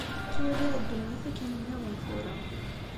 Ttwaliɣ ddunit akken nniḍen tura.